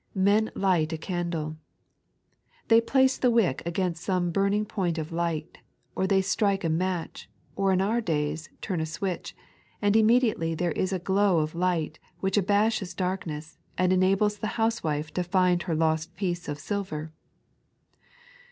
" Men light a candle." They place the wick against some burning point of light, or th^ strike a match, or in our days turn a switch ; and immediately there is a glow of light which abashes darkness, and enables the housewife to find her lost piece of silver.